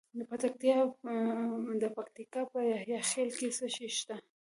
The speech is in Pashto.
د پکتیکا په یحیی خیل کې څه شی شته؟